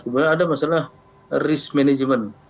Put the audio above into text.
kemudian ada masalah risk management